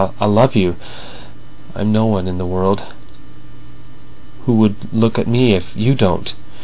I'll love you. I've no one in the world. ... Who would look at me if you don't!"